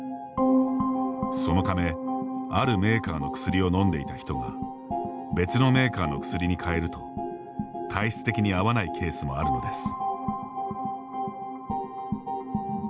そのため、あるメーカーの薬を飲んでいた人が別のメーカーの薬に変えると体質的に合わないケースもあるのです。